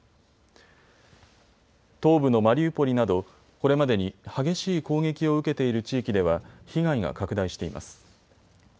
東部のマリウポリなどこれまでに激しい攻撃を受けている地域では被害が拡大しています。